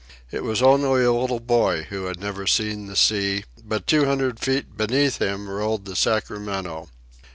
It was only a little boy who had never seen the sea, but two hundred feet beneath him rolled the Sacramento.